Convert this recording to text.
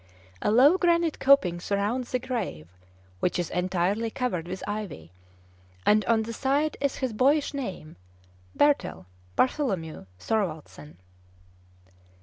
A low granite coping surrounds the grave, which is entirely covered with ivy, and on the side is his boyish name, Bertel (Bartholomew) Thorwaldsen.